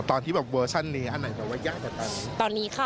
ตอนที่แบบเวอร์ชันนี้อันนไรไม่มียากเกินไป